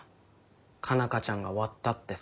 佳奈花ちゃんが割ったって皿。